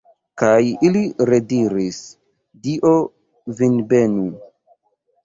Kaj ili rediris: Dio vin benu!